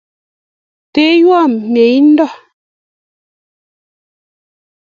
Tewo mieindo.